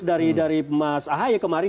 dari mas ahaya kemarin